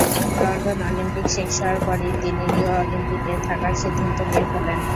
London Olympic শেষ হওয়ার পরই তিনি রিও অলিম্পিকেও থাকার সিদ্ধান্ত নিয়ে ফেলেন।